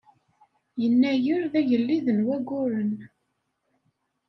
Yennayer d agellid n wayyuren.